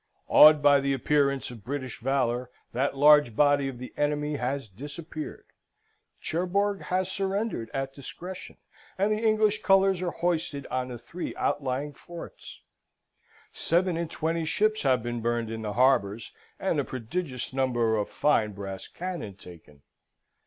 Awed by the appearance of British valour, that large body of the enemy has disappeared. Cherbourg has surrendered at discretion; and the English colours are hoisted on the three outlying forts. Seven and twenty ships have been burned in the harbours, and a prodigious number of fine brass cannon taken.